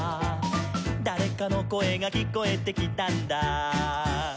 「だれかのこえがきこえてきたんだ」